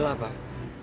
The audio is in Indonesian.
sudah pakai dulu